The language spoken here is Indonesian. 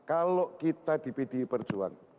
kalau kita bd perjuangan